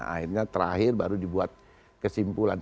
akhirnya terakhir baru dibuat kesimpulan